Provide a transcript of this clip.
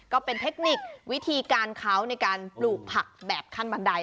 ก็เป็นเทคนิควิธีการเขาในการปลูกผักแบบขั้นบันได